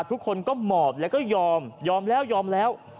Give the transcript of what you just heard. ทุกคนก็หมอบแล้วก็ยอมยอมแล้วยอมแล้ว